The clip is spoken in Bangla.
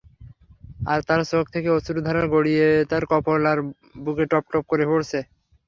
আর তার চোখ থেকে অশ্রুরধারা গড়িয়ে তার কপোল আর বুকে টপটপ করে পড়ছে।